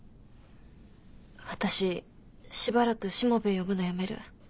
私しばらくしもべえ呼ぶのやめる。